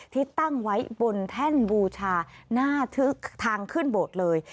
ที่ตั้งไว้บนแท่นบูชาหน้าทางขึ้นโบสถ์เลย